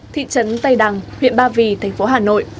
thị trấn tây đằng huyện ba vì thành phố hà nội